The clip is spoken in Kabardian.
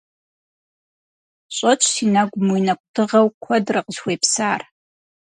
Щӏэтщ си нэгум уи нэкӏу дыгъэу куэдрэ къысхуепсар.